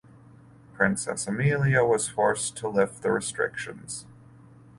Princess Amelia was forced to lift the restrictions.